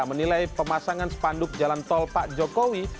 menilai pemasangan spanduk jalan tol pak jokowi